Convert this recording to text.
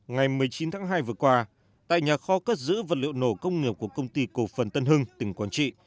ngày một mươi chín tháng hai vừa qua tại nhà kho cất giữ vật liệu nổ công nghiệp của công ty cổ phần tân hưng tỉnh quảng trị